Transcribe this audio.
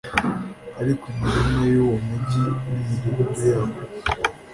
ariko imirima y'uwo mugi n'imidugudu yawo